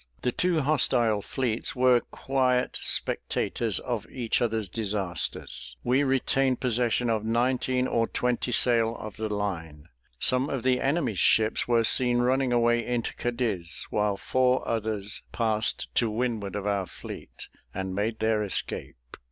The two hostile fleets were quiet spectators of each other's disasters. We retained possession of nineteen or twenty sail of the line. Some of the enemy's ships were seen running away into Cadiz; while four others passed to windward of our fleet, and made their escape.